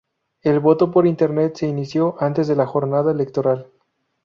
El voto por Internet se inició antes de la jornada electoral.